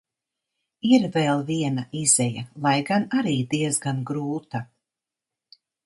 Ir vēl viena izeja, lai gan arī diezgan grūta.